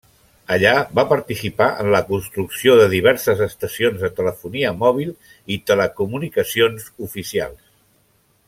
Allà va participar en la construcció de diverses estacions de telefonia mòbil i telecomunicacions oficials.